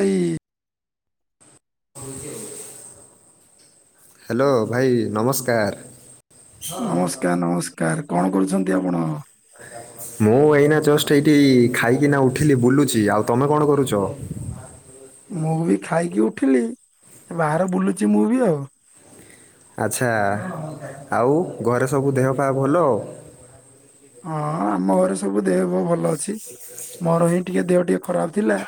ଏଇ ହାଲୋ ଭାଇ ନମସ୍କାର। ନମସ୍କାର ନମସ୍କାର କଣ କରୁଛନ୍ତି ଆପଣ? ମୁଁ ଏଇନା ଜଷ୍ଟ ଏଇଠି ଖାଇକିନା ଉଠିଲି ବୁଲୁଛି ଆଉ ତମେ କଣ କରୁଛ? ମୁଁ ବି ଖାଇକି ଉଠିଲି ବାହ ବୁଲୁଛି ମୁଁ ବି ଆଉ। ଆଛା ଆଉ ଘରେ ସବୁ ଦେହ ପା ଭଲ? ହଁ ଆମ ଘରେ ସବୁ ଦେହ ଫିଅ ଭଲ ଅଛି ମୋର ହିଁ ଟିକେ ଦେହ ଟିକେ ଖରାପ ଥିଲା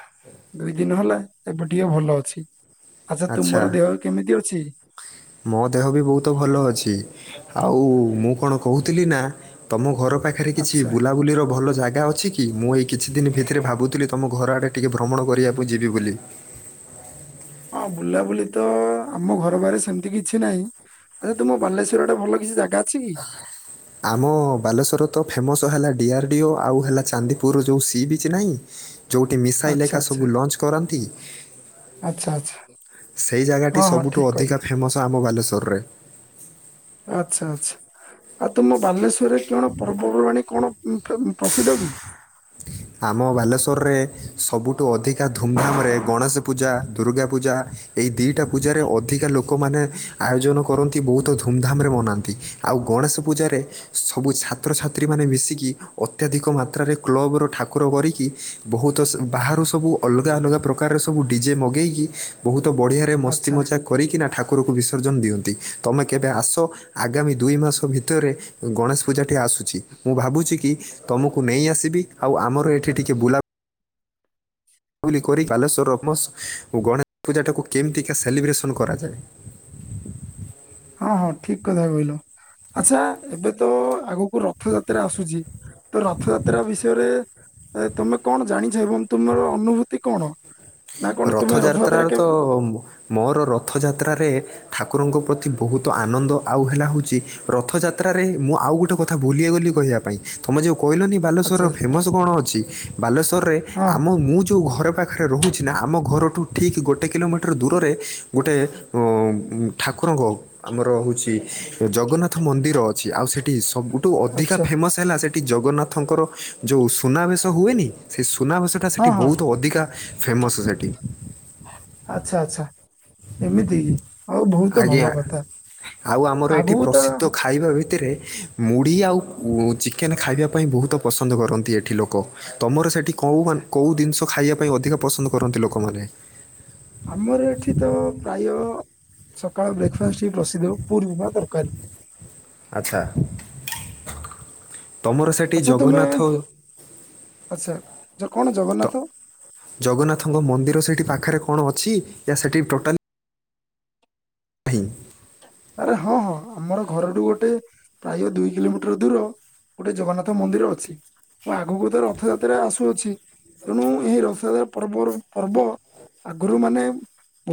ଦୁଇ ଦିନ ହେଲା ଏବେ ଟିକେ ଭଲ ଅଛି। ଆଛା ଆଚ୍ଛା ତୁମର ଦେହ ଏବେ କେମିତି ଅଛି? ମୋ ଦେହ ବି ବୋହୁତ ଭଲ ଅଛି। ଆଉ ମୁଁ କଣ କୋହୁଥିଲି ନା ତମ ଘର ପାଖେ ପାଖରେ କିଛି ଆଚ୍ଛା ବୁଲାବୁଲିର ଭଲ ଜାଗା ଅଛି କି? କି ମୁଁ ଏଇ କିଛି ଦିନ ଭିତରେ ଭାବୁଥିଲି ତମ ଘର ଆଡେ ଟିକେ ଭ୍ରମଣ କରିବାକୁ ଯିବି ବୋଲି? ହଁ ବୁଲାବୁଲି ତ ଆମ ଘର ବାହାରେ ସେମିତି କିଛି ନାହିଁ। ଆଛା ତୁମ ବାଲେଶ୍ଵର ଆଡେ ଭଲ କିଛି ଜାଗା ଅଛି କି? ଆମ ବାଲେଶ୍ୱର ତ ଫେମସ୍ ହେଲା ଡିଆର୍ ଡିଓ ଆଉ ହେଲା ଚାନ୍ଦିପୁର ଯେଉଁ ସି ବିଚ୍ ନାହିଁ ଯେଉଁଠି ମିଶାଇଲ ଆଚ୍ଛା ଏକା ଆଚ୍ଛା ସବୁ ଲଞ୍ଚ୍ କରନ୍ତି। ଆଚ୍ଛା ଆଚ୍ଛା ସେଇ ହଁ ଜାଗାଟି ହଁ ଠିକ ସବୁଠୁ କଥା ଅଧିକା ଫେମସ ଆମ ବାଲେଶ୍ଵରରେ। ଆଛା ଆଛା ଆଉ ତମ ବାଲେଶ୍ଵରରେ କଣ ପର୍ବପର୍ବାଣୀ କଣ ଉଁ ଫ୍ରମ୍ ପ୍ରସିଦ୍ଧ କି? ଆମ ବାଲେଶ୍ଵରରେ ସବୁଠୁ ଅଧିକା ଧୁମଧାମରେ ଗଣେଶ ପୂଜା ଦୁର୍ଗା ପୂଜା ଏହି ଦୁଇଟା ପୂଜାରେ ଅଧିକା ଲୋକମାନେ ଆୟୋଜନ କରନ୍ତି ବୋହୁତ ଧୁମଧାମରେ ମନାନ୍ତି। ଆଉ ଗଣେଶ ପୂଜାରେ ସବୁ ଛାତ୍ରଛାତ୍ରୀ ମାନେ ମିଶିକି ଅତ୍ୟାଧିକ ମାତ୍ରାରେ କ୍ଲବର ଠାକୁ ଠାକୁର କାରୀକି ବୋହୁତ ସ ବାହାରୁ ସବୁ ଅଲଗା ଅଲଗା ପ୍ରକାରେ ସବୁ ଡିଯେ ମଗେଇକି ବୋହୁତ ବଢିଆ ମସ୍ତି ଆଚ୍ଛା ମଜା କରିକି ନା ଠାକୁରକୁ ବିସର୍ଜନ ଦିଅନ୍ତି ତମେ କେବେ ଆସ ଆଗାମୀ ଦୁଇ ମାସ ଭିତରେ ଗଣେଶ ପୂଜା ଟି ଆସୁଛି ମୁଁ ଭାବୁଛି କି ତମକୁ ନେଇ ଆସିବି ଆଉ ଆମର ଏଠି ଟିକେ ବୁଲା ବୁଲାବୁଲି କରି ବାଲେଶ୍ଵର ରମସ ଓ ଗଣେଶ ପୂଜାଟାକୁ କେମିତିକା ସେଲିବ୍ରେସନ କରାଯାଏ। ହଁ ହଁ ଠିକ୍ କଥା କହିଲ ଆଛା ଏବେ ତ ଆଗକୁ ରଥଯାତ୍ରା ଆସୁଛି ତ ରଥଯାତ୍ରା ବିଷୟରେ ଆରେ ତମେ କଣ ଜାଣିଛ ଏବଂ ତୁମର ଅନୁଭୂତି କଣ? ନା କଣ ତୁମେ ରଥଯାତ୍ରା ରଥଯାତ୍ରାରେ ତ କେବେ ମୋର ରଥଯାତ୍ରାରେ ଠାକୁରଙ୍କ ପ୍ରତି ବୋହୁତ ଆନନ୍ଦ ଆଉ ହେଲା ହୋଉଚି ରଥଯାତ୍ରାରେ ମୁଁ ଆଉ ଗୋଟେ କଥା ଭୁଲି ଗଲି କହିବା ପାଇଁ ତମେ ଯୋଉ କହିଲନି ଆଚ୍ଛା ବାଲେଶ୍ୱରର ଆଚ୍ଛା, ଫେମସ କଣ ଅଛି ବାଲେଶ୍ୱରରେ ହଁ ଆମ ମୁଁ ଜୋଉ ଘର ପାଖରେ ରହୁଚି ଛି ନା ଆମ ଘରଠୁ ଠିକ୍ ଗୋଟେ କିଲୋମିଟର ଦୂରରେ ଗୋଟେ ଠାକୁରଙ୍କ ଆମର ହୋଉଚି ଜଗନ୍ନାଥ ମନ୍ଦିର ଅଛି ଆଉ ସେଠି ସବୁ ଟୁ ଅଧିକା ଆଚ୍ଛା ଫେମସ୍ ହେଲା ସେଠି ଜଗନ୍ନାଥଙ୍କର ଯୋଉ ସୁନା ବେସ ହୁଏନି ସେଇ ସୁନା ବେସ ହଁ ସେଠି ହଁ ବୋହୁତ ଅଧିକା ଫେମସ୍ ସେଠି। ଆଛା ଆଛା ଏମିତି ଆଉ ବୋହୁତ ଆଜ୍ଞା ଭଲ କଥା। ଆଉ ଆମର ଏଠି ଆଗକୁ ତ ପ୍ରସିଦ୍ଧ ଖାଇବା ଭିତରେ ମୁଢ଼ି ଆଉ ଚିକେନ ଖାଇବା ପାଇଁ ବୋହୁତ ପସନ୍ଦ କରନ୍ତି ଏଠି ଲୋକ। ତମର ସେଠି କୋଉ ଆଚ୍ଛା କୋଉ ଜିନିଷ ଖାଇବା ପାଇଁ ଅଧିକା ପସନ୍ଦ କରନ୍ତି ଲୋକମାନେ? ଆମର ଏଠି ତ ପ୍ରାୟ ସକାଳ ବ୍ରେକ୍ଫ୍ରାଷ୍ଟ ହିଁ ପ୍ରସିଦ୍ଧ ପୁରୀ ଉପମା ତରକାରୀ। ଆଚ୍ଛା। ତମର ସେଠି ଆଚ୍ଛା ତୁମେ ଜଗନ୍ନାଥ ଆଚ୍ଛା ଜ- କଣ ତ ଜଗନ୍ନାଥ ଜଗନ୍ନାଥଙ୍କ ମନ୍ଦିର ସେଠି ପାଖରେ କଣ ଅଛି ସେଠି ଟୋଟାଲି? ନାହିଁ। ଆରେ ହଁ ହଁ ଆମର ଘରଠୁ ଗୋଟେ ପ୍ରାୟ ଦୁଇ କିଲୋମିଟର ଦୂର। ଗୋଟେ ଜଗନ୍ନାଥ ମନ୍ଦିର ଅଛି। ହଁ ଆଗକୁ ତ ରଥଯାତ୍ରା ଆସୁଅଛି ତେଣୁ ଏହି ରଥଯାତ୍ରା ପର୍ବର ପର୍ବ। ଆଗରୁ ମାନେ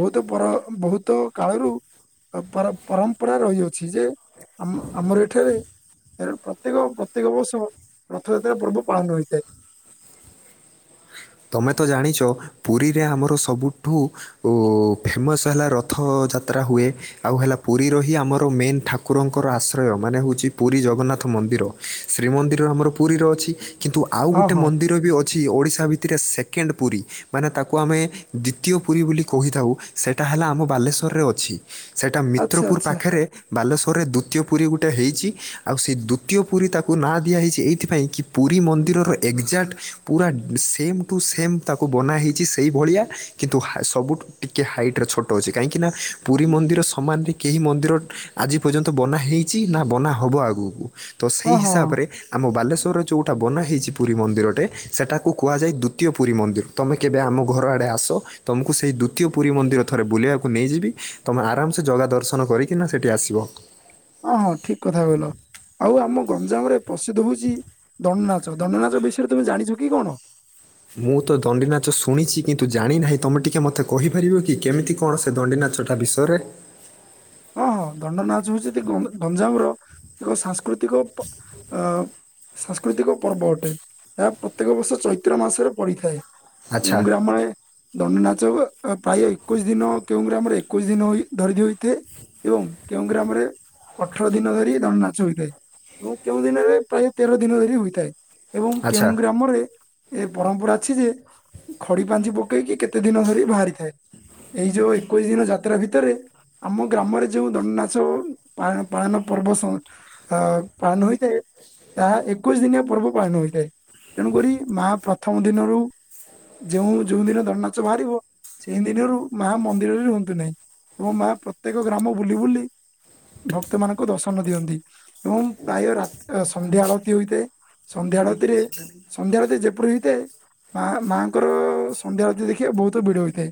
ବହୁତ ପର ବହୁତ କାଳରୁ ପର ପରମ୍ପରା ରହିଅଛି ଯେ ଆମର ଏଠାରେ ପ୍ରତ୍ୟେକ ପ୍ରତ୍ୟେକ ବର୍ଷ ରଥଯାତ୍ରା ପର୍ବ ପାଳନ ହୋଇଥାଏ। ତୁମେ ତ ଜାଣିଛ ପୁରୀରେ ଆମର ସବୁଠୁ ଓ ଫେମସ୍ ହେଲା ରଥଯାତ୍ରା ହୁଏ। ଆଉ ହେଲା ପୁରୀର ହିଁ ଆମର ମେନ୍ ଠାକୁରଙ୍କର ଆଶ୍ରୟ ମାନେ ହେଉଛି ପୁରୀ ଜଗନ୍ନାଥ ମନ୍ଦିର। ଶ୍ରୀମନ୍ଦିର ଆମର ପୁରୀରେ ଅଛି କିନ୍ତୁ ଆଉ ହଁ ଗୋଟେ ହଁ ମନ୍ଦିର ବି ଅଛି ଓଡିଶା ଭିତରେ ସେଥିରେ ସେକେଣ୍ଡ ପୁରୀ। ମାନେ ତାକୁ ଆମେ ଦ୍ଵିତୀୟ ପୁରୀ ବୋଲି କହିଥାଉ ସେଇଟା ହେଲା ଆମ ବାଲେଶ୍ୱରରେ ଅଛି। ସେଇଟା ଆଚ୍ଛା ମିତ୍ରପୁର ଆଚ୍ଛା ପାଖରେ। ବାଲେଶ୍ଵରରେ ଦ୍ଵିତୀୟ ପୁରୀ ଗୋଟେ ହେଇଛି ଆଉ ସେଇ ଦ୍ଵିତୀୟ ପୁରୀ ତାକୁ ନାଁ ଦିଆହେଇଛି ଏଇଥିପାଇଁ କି? ପୁରୀ ମନ୍ଦିରର ଏକ୍ଜାକ୍ଟ ପୁରା ସେମ୍ ଟୁ ସେମ୍ ତାକୁ ବନା ହେଇଛି ସେଇଭଳିଆ କିନ୍ତୁ ସବୁଠୁ ଟିକେ ହାଇଟରେ ଛୋଟ ଅଛି କାହିଁକିନା ପୁରୀ ମନ୍ଦିର ସମାନରେ କେହି ମନ୍ଦିର ଆଜି ପର୍ଯ୍ୟନ୍ତ ବନା ହେଇଛି ନା ବନା ହବ ଆଗକୁ? ତ ସେଇ ହଁ ହଁ ହିସାବରେ ଆମ ବାଲେଶ୍ୱରରେ ଯେଉଟା ବନା ହେଇଛି ପୁରୀ ମନ୍ଦିରଟେ ସେଟାକୁ କୁହାଯାଏ ଦ୍ଵିତୀୟ ପୁରୀ ମନ୍ଦିର ତୁମେ କେବେ ଆମ ଘର ଆଡ଼େ ଆସ? ତମକୁ ସେଇ ଦ୍ଵିତୀୟ ପୁରୀ ମନ୍ଦିର ଥରେ ବୁଲିବାକୁ ନେଇଯିବି ତମେ ଆରାମସେ ଜଗା ଦର୍ଶନ କରିକିନା ସେଠି ଆସିବ? ଓ ହଁ ଠିକ କଥା କହିଲ। ଆଉ ଆମ ଗଞ୍ଜାମ ରେ ପ୍ରସିଦ୍ଧ ହଉଛି ଦଣ୍ଡ ନାଚ ଦଣ୍ଡ ନାଚ ବିଷୟରେ ତମେ ଜାଣିଛ କି କଣ? ମୁଁ ତ ଦଣ୍ଡିନାଚ ଶୁଣିଛି କିନ୍ତୁ ଜାଣିନାହିଁ ତୁମେ ଟିକେ ମୋତେ କହିପାରିବ କି କେମିତି? କଣ ସେ ଦଣ୍ଡି ନାଚଟା ବିଷୟରେ? ହଁ ହଁ ଦଣ୍ଡ ନାଚ ହଉଛି ଗଞ୍ଜାମର ଏକ ସାଂସ୍କୃତିକ ପ ସାଂସ୍କୃତିକ ପର୍ବ ଅଟେ ଏହା ପ୍ରତ୍ୟେକ ବର୍ଷ ଚୈତ୍ର ମାସରେ ପଡିଥାଏ। ଆଚ୍ଛା କେଉଁ ଗ୍ରାମରେ? ଦଣ୍ଡ ନାଚ ପ୍ରାୟ ଏକୋଇଶି ଦିନ କେଉଁ ଗ୍ରାମରେ ଏକୋଇଶ ଦିନ ଧରି ହୋଇଥାଏ। ଏବଂ କେଉଁ ଗ୍ରାମରେ ଅଠର ଦିନ ଧରି ଦଣ୍ଡ ନାଚ ହୋଇଥାଏ। ଏବଂ କେଉଁ ଦିନରେ ପ୍ରାୟ ତେର ଦିନ ଧରି ହୋଇଥାଏ ଏବଂ କେଉଁ ଆଚ୍ଛା ଗ୍ରାମରେ ଏ ପରମ୍ପରା ଅଛି ଯେ ଖଡି ପାଞ୍ଜି ପକେଇକି କେତେ ଦିନ ଧରି ବାହାରିଥାଏ? ଏଇ ଯୋଉ ଏକୋଇଶି ଦିନ ଯାତ୍ରା ଭିତରେ ଆମ ଗ୍ରାମରେ ଯୋଉ ଦଣ୍ଡ ନାଚ ପାଳ ପାଳନ ପର୍ବ ପାଳନ ହୋଇଥାଏ। ତାହା ଏକୋଇଶି ଦିନିଆ ପର୍ବ ପାଳନ ହୋଇଥାଏ ତେଣୁକରି ମା ପ୍ରଥମ ଦିନରୁ ଯୋଉ ଯୋଉଁ ଦିନ ଦଣ୍ଡ ନାଚ ବାହାରିବ? ସେଇ ଦିନରୁ ମା ମନ୍ଦିରରେ ରୁହନ୍ତି ନାହିଁ ଏବଂ ମା ପ୍ରତ୍ୟେକ ଗ୍ରାମ ବୁଲି ବୁଲି ଭକ୍ତ ମାନଙ୍କୁ ଦର୍ଶନ ଦିଅନ୍ତି ଏବଂ ପ୍ରାୟ ରା ସନ୍ଧ୍ୟା ଆଳତି ହୋଇଥାଏ ସନ୍ଧ୍ୟା ଆଳତୀରେ ସନ୍ଧ୍ୟା ଆଳତୀ ଯେପରି ହୋଇଥାଏ। ମା ମାଆଙ୍କର ସନ୍ଧ୍ୟା ଆଳତି ଦେଖିବା ବହୁତ ଭିଡ ହୋଇଥାଏ।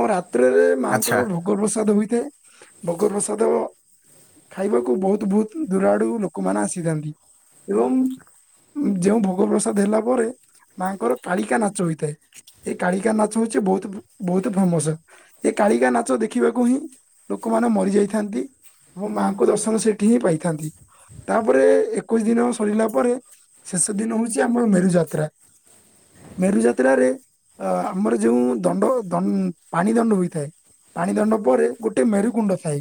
ଓ ରାତ୍ରିରେ ମାଆଙ୍କର ଆଚ୍ଛା ଭୋଗ ପ୍ରସାଦ ହୋଇଥାଏ ଭୋଗ ପ୍ରସାଦ ଖାଇବାକୁ ବହୁତ ବହୁତ ଦୂର ଆଡୁ ଲୋକମାନେ ଆସିଥାନ୍ତି ଏବଂ ଯେଉଁ ଭୋଗ ପ୍ରସାଦ ହେଲା ପରେ ମାଆଙ୍କର କାଳିକା ନାଚ ହୋଇଥାଏ। ଏ କାଳିକା ନାଚ ହଉଚି ବହୁତ ବହୁତ ଫମସ୍ ଏ କାଳିକା ନାଚ ଦେଖିବାକୁ ହିଁ ଲୋକମାନେ ମରି ଯାଇଥାନ୍ତି ଏବଂ ମାଙ୍କ ଦର୍ଶନ ସେଠି ହିଁ ପାଇଥାନ୍ତି। ତାପରେ ଏକୋଇଶି ଦିନ ସରିଲା ପରେ ଶେଷ ଦିନ ହଉଚି ଆମର ମେରୁଯାତ୍ରା ମେରୁଯାତ୍ରାରେ ଆମର ଯେଉଁ ଦଣ୍ଡ ଦ ପାଣି ଦଣ୍ଡ ହୋଇଥାଏ। ପାଣି ଦଣ୍ଡ ପରେ ଗୋଟେ ମେରୁକୁଣ୍ଡ ଥାଏ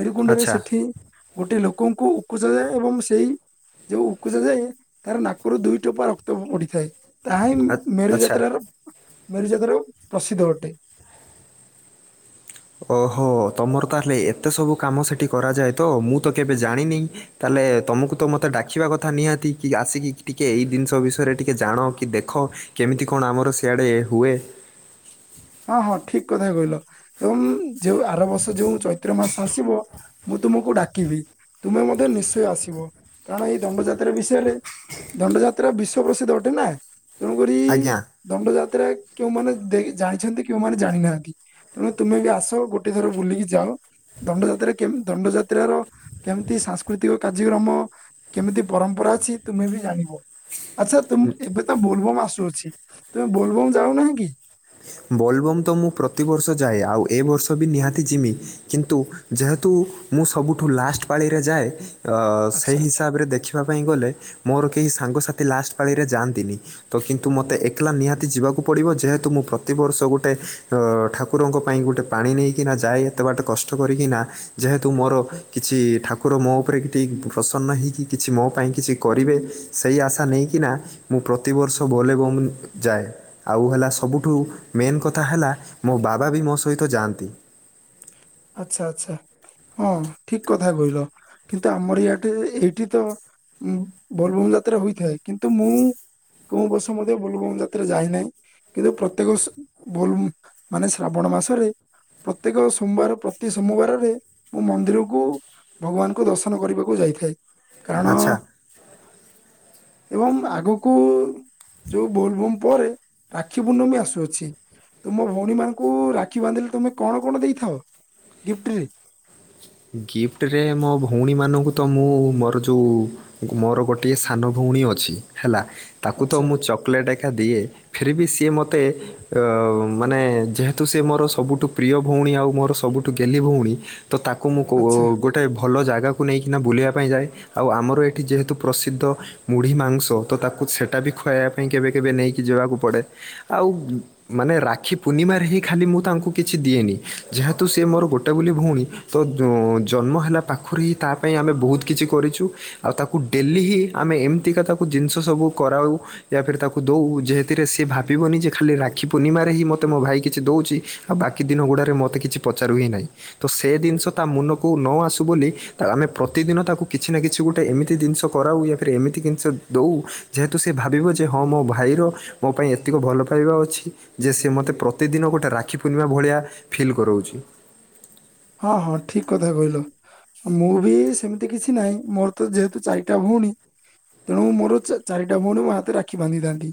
ମେରୁକୁଣ୍ଡରେ ଆଚ୍ଛା ସେଠି ଗୋଟେ ଲୋକଙ୍କୁ ଉପଜାଯାଏ ଏବଂ ସେଇ ଯୋଉ ଉକୁଜ ଯାଏ ତାର ନାକରୁ ଦୁଇ ଟୋପା ରକ୍ତ ପଡିଥାଏ। ତାହା ହିଁ ଆ- ଆଚ୍ଛା ମେରୁଯାତ୍ରାର ମେରୁଯାତ୍ରା ପ୍ରସିଦ୍ଧ ଅଟେ। ଓହୋ ତମର ତାହେଲେ ଏତେ ସବୁ କାମ ସେଠି କରାଯାଏ ତ ମୁଁ ତ କେବେ ଜାଣିନି। ତାହେଲେ ତମକୁ ତ ମୋତେ ଡାକିବା କଥା ନିହାତି କି ଆସିକି ଟିକେ ଏଇ ଜିନିଷ ବିଷୟରେ ଟିକେ ଜାଣ କି ଦେଖ। କେମିତି କଣ ଆମର ସିଆଡେ ହୁଏ। ହଁ ହଁ ଠିକ କଥା କହିଲ ଏବଂ ଯୋଉ ଆର ବର୍ଷ ଯୋଉ ଚୈତ୍ର ମାସ ଆସିବ ମୁଁ ତୁମକୁ ଡାକିବି ତୁମେ ମଧ୍ୟ ନିଶ୍ଚୟ ଆସିବ କାରଣ ଏଇ ଦଣ୍ଡ ଯାତ୍ରା ବିଷୟରେ ଦଣ୍ଡଯାତ୍ରା ବିଶ୍ୱ ପ୍ରସିଦ୍ଧ ଅଟେ ନା। ତେଣୁକରି ଆଜ୍ଞା ଦଣ୍ଡ ଯାତ୍ରା କେଉଁ ମାନ ଦେଖ ଜାଣ ଛନ୍ତି କଉମାନେେ ଜାଣିନାହାନ୍ତି ତେଣୁ ତୁମେ ବି ଆସ ଗୋଟେ ଥର ବୁଲିକି ଯାଅ ଦଣ୍ଡ ଯାତ୍ରା କେମ୍ ଦଣ୍ଡ ଯାତ୍ରାର କେମିତି ସାଂସ୍କୃତିକ କାର୍ଯ୍ୟକ୍ରମ କେମିତି ପରମ୍ପରା ଅଛି ତୁମେ ବି ଜାଣିବ। ଆଛା ତୁମ ଏବେ ତ ବୋଲବମ୍ ଆସୁଅଛି ତୁମେ ବୋଲବମ୍ ଯାଉନାହଁ କି? ବୋଲବମ୍ ତ ମୁଁ ପ୍ରତିବର୍ଷ ଯାଏ ଆଉ ଏ ବର୍ଷ ବି ନିହାତି ଜିମି। କିନ୍ତୁ ଯେହେତୁ ମୁଁ ସବୁଠୁ ଲାଷ୍ଟ ପାଳିରେ ଯାଏ ସେହି ଆଚ୍ଛା ଅ ଆଚ୍ଛା ହିସାବରେ ଦେଖ ପାଇଁ ଗଲେ ମୋର କେହି ସାଙ୍ଗସାଥି ଲାଷ୍ଟ ପାରେ ଯାଆନ୍ତିନି। ତ କିନ୍ତୁ ମୋତେ ଏକଲା ନିହାତି ଯିବାକୁ ପଡିବ ଯେହେତୁ ମୁଁ ପ ପ୍ରତିବର୍ଷ ଗୋଟେ ଅ ଠାକୁରଙ୍କ ପାଇଁ ଗୋଟେ ପାଣି ନେଇକିନା ଯାଏ ଏତେ ବାଟ କଷ୍ଟ କରିକିନା। ଯେହେତୁ ମୋର କିଛି ଠାକୁର ମୋ ଉପରେ ଟିକ ପ୍ରସନ୍ନ ହେଇକି କିଛି ମୋ ପାଇଁ କିଛି କରିବେ। ସେଇ ଆଶା ନେଇକିନା ମୁଁ ପ୍ରତିବର୍ଷ ବୋଲେ ବମ୍ ଯାଏ ଆଉ ହେଲା ସବୁଠୁ ମେନ୍ କଥା ହେଲା ମୋ ବାବା ବି ମୋ ସହିତ ଯାଆନ୍ତି। ଆଚ୍ଛା ଆଛା ହଁ ଠିକ କଥା କହିଲ କିନ୍ତୁ ଆମର ୟାଟେ ଏଇଠି ତ ଉଁ ବୋଲେ ବମ୍ ଯାତ୍ରା ହୋଇଥାଏ କିନ୍ତୁ ମୁଁ କୋଉ ବର୍ଷ ମଧ୍ୟ ବୋଲେ ବମ୍ ଯାତ୍ରା ଯାଇନାହିଁ। କିନ୍ତୁ ପ୍ରତ୍ୟେକ ସ ବୋଲ ମାନେ ଶ୍ରାବଣ ମାସରେ ପ୍ରତ୍ୟେକ ସୋମବାର ପ୍ରତି ସୋମବାରରେ ମୁଁ ମନ୍ଦିରକୁ ଭଗବାନଙ୍କୁ ଦର୍ଶନ କରିବାକୁ ଯାଇଥାଏ। କାରଣ ଆଚ୍ଛା ଏବଂ ଆଗକୁ ଯୋଉ ବୋଲେ ବମ୍ ପରେ ରାକ୍ଷୀ ପୂର୍ଣ୍ଣମୀ ଆସୁଅଛି। ତୁମ ଭଉଣୀ ମାନଙ୍କୁ ରାକ୍ଷୀ ବାନ୍ଧିଲେ ତୁମେ କଣ କଣ ଦେଇଥାଅ? ଗିଫ୍ଟରେ? ଗିଫ୍ଟରେ ମୋ ଭଉଣୀମାନଙ୍କୁ ତ ମୁଁ ମୋର ଯୋଉ ମୋର ଗୋଟିଏ ସାନ ଭଉଣୀ ଅଛି ହେଲା ତାକୁ ତ ଆଚ୍ଛା ମୁଁ ଚକୋଲେଟ ଏକା ଦିଏ ଫିର ବି ସିଏ ମୋତେ ଅ ମାନେ ଯେହେତୁ ସେ ମୋର ସବୁଠୁ ପ୍ରିୟ ଭଉଣୀ ଆଉ ମୋର ସବୁଠୁ ଗେଲି ଭଉଣୀ ତ ତାକୁ ମୁଁ କୋ ଆଚ୍ଛା, ଗୋଟେ ଗୋଟେ ଭଲ ଜାଗାକୁ ନେଇକିନା ବୁଲିବା ପାଇଁ ଯାଏ ଆଉ ଆମର ଏଠି ଯେହେତୁ ପ୍ରସିଦ୍ଧ ମୁଢି ମାଂସ ତ ତାକୁ ସେଟା ବି ଖୁଆଇବା ପାଇଁ କେବେ କେବେ ନେଇକି ଯିବାକୁ ପଡେ ଆଉ ମାନେ ରାକ୍ଷୀ ପୂର୍ଣ୍ଣିମାରେ ହି ଖାଲି ମୁଁ ତାଙ୍କୁ କିଛି ଦିଏନି ଯେହେତୁ ସେ ମୋର ଗୋଟେ ବୋଲି ଭଉଣୀ। ତ ଜନ୍ମ ହେଲା ପାଖରୁ ହିଁ ତା ପାଇଁ ଆମେ ବହୁତ କିଛି କରିଛୁ ଆଉ ତାକୁ ଡେଲି ହିଁ। ଆମେ ଏମିତିକା ତାକୁ ଜିନିଷ ସବୁ କରାଉ। ୟା ଫିର ତାକୁ ଦଉ ଯେହେଥିରେ ସେି ଭାବିବନି ଯେ ଖାଲି ରାକ୍ଷୀ ପୂର୍ଣିମାରେ ହିଁ ମତେ ମୋ ଭାଇ କିଛି ଦଉଛି। ଆଉ ବାକି ଦିନ ଗୁଡ଼ାରେ ମୋତେ କିଛି ପଚାରୁ ହିଁ ନାହିଁ ତ ସେ ଜିନିଷ ତା ମୁନକୁ ନ ଆସୁ ବୋଲି। ତ ଆମେ ପ୍ରତିଦିନ ତାକୁ କିଛି ନା କିଛି ଗୋଟେ ଏମିତି ଜିନିଷ କରାଉ ଯା ଫିର ଏମିତି ଜିନିଷ ଦଉ। ଯେହେତୁ ସେ ଭାବିବ ଯେ ହଁ ମୋ ଭାଇର। ମୋ ପାଇଁ ଏତିକ ଭଲ ପାଇବା ଅଛି ଯେ ସେ ମୋତେ ପ୍ରତିଦିନ ଗୋଟେ ରାକ୍ଷୀ ପୂର୍ଣ୍ଣିମା ଭଳିଆ। ଫିଲ୍ କରଉଛି। ହଁ ହଁ ଠିକ କଥା କହିଲ। ଆଉ ମୁଁ ବି ସେମିତି କିଛି ନାହିଁ ମୋର ତ ଯେହେତୁ ଚାରିଟା ଭଉଣୀ। ତେଣୁ ମୋର ଚା ଚାରିଟା ଭଉଣୀ ମୋ ହାତରେ ରାକ୍ଷୀ ବାନ୍ଧିଥାନ୍ତି।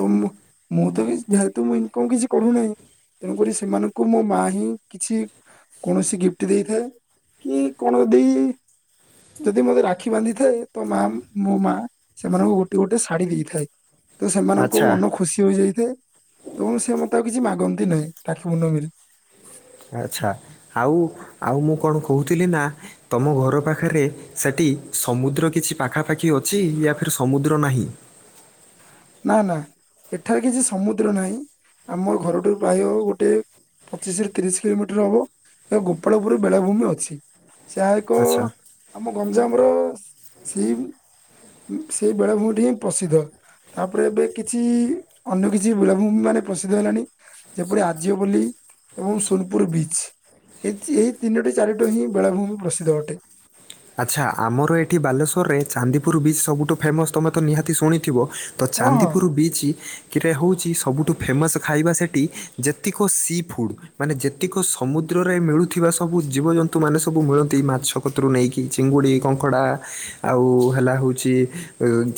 ତ ମୁଁ ମୁ ତ କିଛି ଯେହେତୁ ମୁଁ ଇନକମ କିଛି କରୁନାହିଁ। ତେଣୁକରି ସେମାନଙ୍କୁ ମୋ ମା ହିଁ କିଛି। କୌଣସି ଗିଫ୍ଟ ଦେଇଥାଉ କି କଣ ଦେଇ। ଯଦି ମୋତେ ରାକ୍ଷୀ ବାନ୍ଧି ଥାଏ ତ ମା ମୋ ମା ସେମାନଙ୍କୁ ଗୋଟେ ଗୋଟେ ଶାଢୀ ଦେଇଥାଏ। ତ ସେମାନଙ୍କୁ ଆଚ୍ଛା ମନ ଖୁ ଖୁସି ହୋଇଯାଇଥାଏ ଏବଂ ସେ ମତେ ଆଉ କିଛି ମାଗନ୍ତି ନାହିଁ ତାକୁ ମୁୁନ ମିିଲ। ଆଚ୍ଛା। ଆଉ ଆଉ ମୁଁ କଣ କହୁଥିଲି ନା ତମ ଘର ପାଖରେ। ସେଠି ସମୁଦ୍ର କିଛି ପାଖାପାଖି ଅଛି ୟା ଫିର ସମୁଦ୍ର ନାହିଁ। ନା ନା ଏଠାରେ କିଛି ସମୁଦ୍ର ନାହିଁ ଆମ ଘରଠୁ ପ୍ରାୟ ଗୋଟେ। ପଚିଶ ରରେ ତିରିଶ କିଲୋମିଟର ହବ ଏକ ଗୋପାଳପୁର ବେଳାଭୂମି ଅଛି ସେ଼ହା ଏକ। ଆଚ୍ଛା ଆମ ଗଞ୍ଜାମର ସେଇ ସେଇ ବେଳାଭୂମି ଟି ହିଁ ପ୍ରସିଦ୍ଧ। ତାପରେ ଏବେ କିଛି ଅନ୍ୟ କିଛି ବୁଳାଭୂମି ମାନେ ପ୍ରସିଦ୍ଧ ହେଲାଣି। ଯେପରି ଆର୍ଯ୍ୟ ପଲି ଏବଂ ସୋନପୁର ବିଚ୍। ଏଇ ଚି ଏଇ ତିନୋଟି ଚାରିଟ ହିଁ ବେଳାଭୂମି ପ୍ରସିଦ୍ଧ ଅଟେ। ଆଚ୍ଛା ଆମର ଏଠି ବାଲେଶ୍ୱରରେ ଚାନ୍ଦିପୁର ବିଚ୍ ସବୁଠୁ ଫେମସ୍ ତୁମେ ତ ନିହାତି ଶୁଣିଥିବ। ତ ହଁ ହଁ ଚାନ୍ଦିପୁର ବିଚ୍। ରେ ହେଉଛି ସବୁଠୁ ଫେମସ୍ ଖାଇବା ସେଠି ଯେତିକ ସି ଫୁଡ଼୍। ମାନେ ଯେତିକ ସମୁଦ୍ରରେ ମିଳୁଥିବା ସବୁ ଜୀବଜନ୍ତୁ ମାନେ ସବୁ ମିଳନ୍ତି ମାଛ କତୁରୁ ନେଇକି। କି ଚିଙ୍ଗୁଡ଼ି କଙ୍କଡ଼ା ଆଉ ହେଲା ହଉଛି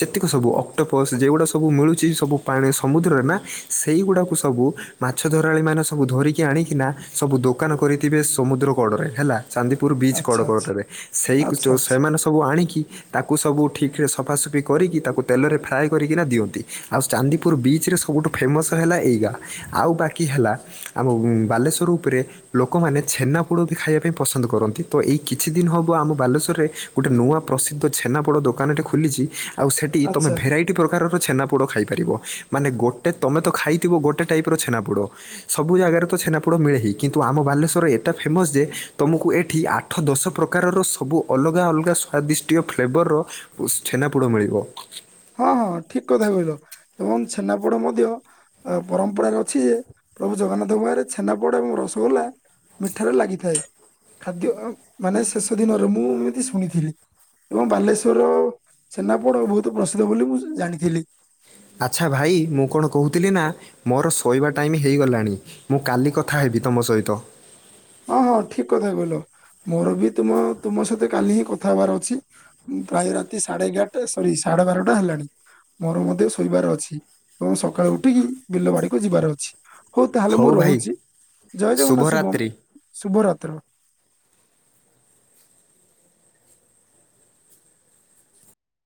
ଯେତିକ ସବୁ। ଅକ୍ଟୋପସ୍ ଯେଉଗୁଡ଼ା ସବୁ ମିଳୁଛି ସବୁ ପାଣି ସମୁଦ୍ରରେ ନା ସେଇଗୁଡ଼ାକୁ ସବୁ। ମାଛ ଧରାଳି ମାନେ ସବୁ ଧରିକି ଆଣିକିନା ସବୁ ଦୋକାନ କରିଥିବେ ସମୁଦ୍ର କଡ଼ରେ ହେଲା। ଚାନ୍ଦିପୁର ବିଚ୍ ଆଚ୍ଛା କଡ଼କଡ ଆଚ୍ଛା ଟା ରେ ସେଇ ଆଚ୍ଛା ଯୋଉ ଆଚ୍ଛା ସେମାନେ ସବୁ ଆଣିକି। ତାକୁ ସବୁ ଠିକରେ ସଫାସଫି କରିକି ତାକୁ ତେଲରେ ଫ୍ରାଏ କରିକିନା ଦିଅନ୍ତି ଆଉ। ଚାନ୍ଦିପୁର ବିଚ୍ ରେ ସବୁଠୁ ଫେମସ୍ ହେଲା ଏଇଗା ଆଉ ବାକି ହେଲା। ଆମ ବାଲେଶ୍ଵର ଉପରେ ଲୋକମାନେ ଛେନା ପୋଡ ବି ଖାଇବା ପାଇଁ ପସନ୍ଦ କରନ୍ତି ତ ଏଇ। କିଛି ଦିନ ହେବ ଆମ ବାଲେଶ୍ୱରରେ ଗୋଟେ ନୂଆ ପ୍ରସିଦ୍ଧ ଛେନାପୋଡ଼ ଦୋକାନ ଟେ ଖୋଲିଛି। ଆଉ ସେଠି ତମେ ଆଚ୍ଛା ଭେରାଇଟି। ଯେତେ ପ୍ରକାରର ଛେନାପୋଡ଼ ଖାଇପାରିବ ମାନେ ଗୋଟେ ତମେ ତ ଖାଇଥିବ ଗୋଟେ ଟାଇପ ର ଛେନାପୋଡ଼। ସବୁ ଜାଗାରେ ତ ଛେନାପୋଡ଼ ମିଳେ ହିି କିନ୍ତୁ ଆମ ବାଲେଶ୍ୱର ଏଟା ଫେମସ୍ ଯେ ତୁମକୁ ଏଠି ଆଠ ଦଶ ପ୍ର ପ୍ରକାରର ସବୁ ଅଲଗା ଅଲଗା ସ୍ଵାଦିଷ୍ଟୟ ଫ୍ଲେଭରର ଛେନାପୋଡ଼ ମିଳିବ। ହଁ ହଁ ଠିକ କଥା କହିଲ ଏବଂ ଛନାପୋଡ ମଧ୍ୟ। ପରମ୍ପରାରେ ଅଛି ଯେ ପ୍ରଭୁ ଜଗନ୍ନାଥଙ୍କ ପାଖରେ ଛେନାପୋଡ ଏବଂ ରସଗୋଲା। ମିଠାରେ ଲାଗିଥାଏ ଖାଦ୍ୟ ମାନେ ଶେଷ ଦିନରେ ମୁଁ ଏମିତି ଶୁଣିଥିଲି ଏବଂ ବାଲେଶ୍ୱରର ଛେନାପୋଡ ବହୁତ ପ୍ରସିଦ୍ଧ ବୋଲି ମୁଁ ଜାଣିଥିଲି। ଆଚ୍ଛା ଭାଇ ମୁଁ କଣ କହୁଥିଲି ନା ମୋର ଶୋଇବା ଟାଇମ୍ ହେଇଗଲାଣି ମୁଁ କାଲି କଥା ହେବି ତମ ସହିତ ହଁ ହଁ ଠିକ୍ କଥା କହିଲ ମୋର ବି ତୁମ ତୁମ ସହିତ କାଲି ହିଁ କଥା ହେବାର ଅଛି ପ୍ରାୟ ରାତି ସାଢେ ଏଗାରଟା ସରି ସାଢେ ବାରଟା ହେଲାଣି ମୋର ମଧ୍ୟ ଶୋଇବାର ଅଛି ଏବଂ ସକାଳୁ ଉଠିକି ବିଲ ବାଡିକୁ ଯିବାର ଅଛି। ହଉ ତାହେଲେ ମୁଁ ରହୁଚି ଜୟ ଜଗନ୍ନାଥ ଶୁଭମ ଶୁଭରାତ୍ରି ଶୁଭରାତ୍ର।